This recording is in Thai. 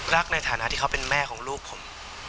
รักในฐานะที่เขาเป็นแม่ของลูกผม